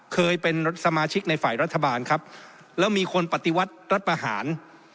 เคยเป็นสมาชิกในฝ่ายรัฐบาลครับแล้วมีคนปฏิวัติรัฐประหาร